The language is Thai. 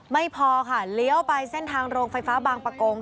ไม่พอค่ะเลี้ยวไปเส้นทางโรงไฟฟ้าบางประกง